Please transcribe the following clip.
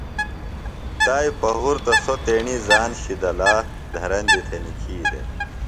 تائی پہُرتہ سوۡ تیٹیۡ زان شِدہ لا دھرندیۡ تھےۡ نِکھی دےۡ۔